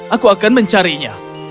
aku akan mencarinya